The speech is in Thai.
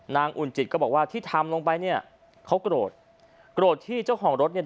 อุ่นจิตก็บอกว่าที่ทำลงไปเนี่ยเขาโกรธโกรธที่เจ้าของรถเนี่ย